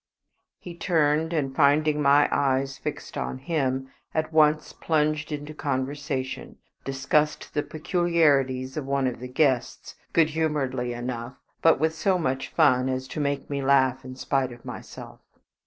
He turned, and finding my eyes fixed on him, at once plunged into conversation, discussed the peculiarities of one of the guests, good humoredly enough, but with so much fun as to make me laugh in spite of myself.